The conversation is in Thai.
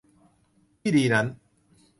ที่ดีนั้น